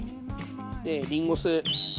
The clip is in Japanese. りんご酢。